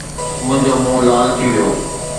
منهنجو منهن لال ٿي ويو